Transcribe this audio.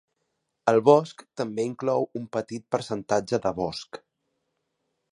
El bosc també inclou un petit percentatge de bosc.